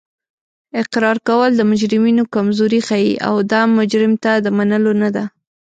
اقرار کول د مجرمینو کمزوري ښیي او دا مجرم ته د منلو نه ده